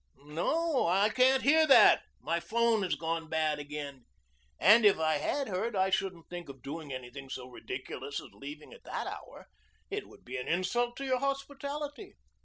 "No, I can't hear that. My 'phone has gone bad again. And if I had heard, I shouldn't think of doing anything so ridiculous as leaving at that hour. It would be an insult to your hospitality.